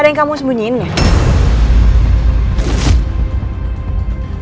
ada yang kamu sembunyiin ya